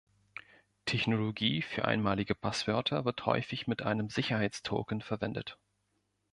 Technologie für einmalige Passwörter wird häufig mit einem Sicherheitstoken verwendet.